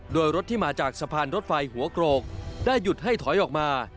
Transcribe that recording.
โดยรถที่มาจากสะพานรถไฟหัวโกรกได้หยุดให้ถอยออกมา